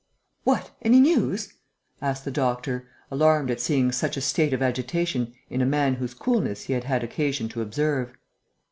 "What? Any news?" asked the doctor, alarmed at seeing such a state of agitation in a man whose coolness he had had occasion to observe.